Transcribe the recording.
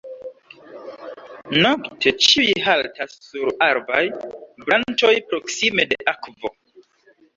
Nokte ĉiuj haltas sur arbaj branĉoj proksime de akvo.